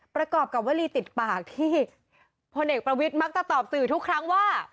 ประกอบกับวลีติดปากที่พลเอกประวิทย์มักจะตอบสื่อทุกครั้งว่า